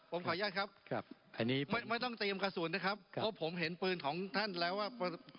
ผมขออนุญาตครับอันนี้ไม่ต้องเตรียมกระสุนนะครับเพราะผมเห็นปืนของท่านแล้วว่า